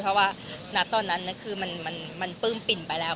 เพราะว่าณตอนนั้นน่ะคือมันมันมันปื้มปิ่นไปแล้ว